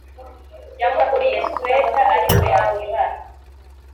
Yamuguriye swater ariko yanga ibara